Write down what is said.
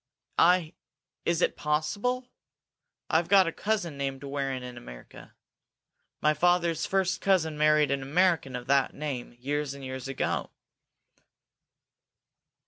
"I is it possible? I've got a cousin called Waring in America! My father's first cousin married an American of that name years and years ago."